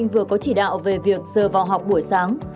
vừa có chỉ đạo về việc giờ vào học buổi sáng